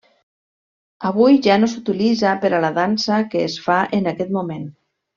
Avui ja no s'utilitza per a la dansa que es fa en aquest moment.